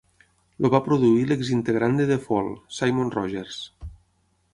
El va produir l'exintegrant de The Fall, Simon Rogers.